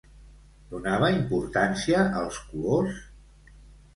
Donava importància als colors?